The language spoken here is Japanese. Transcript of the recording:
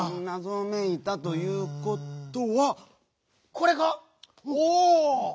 「なぞめいた」ということはこれか⁉おお！